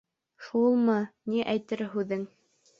Шулмы ни әйтер һүҙең?